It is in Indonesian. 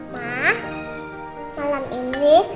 ma malam ini